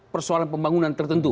persoalan pembangunan tertentu